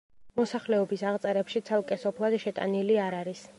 მოსახლეობის აღწერებში ცალკე სოფლად შეტანილი არ არის.